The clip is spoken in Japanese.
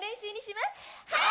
はい！